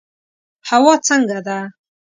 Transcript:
هوا څنګه ده؟